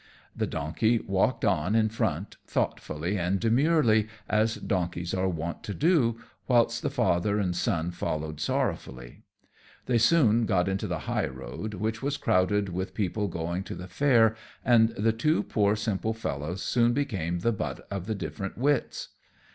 The donkey walked on in front, thoughtfully and demurely, as donkeys are wont to do, whilst the father and son followed sorrowfully. They soon got into the high road, which was crowded with people going to the fair, and the two poor simple fellows soon became the butt of the different wits.